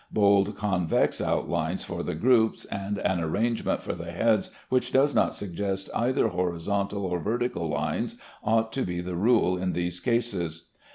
Bold convex outlines for the groups, and an arrangement for the heads which does not suggest either horizontal or vertical lines, ought to be the rule in these cases.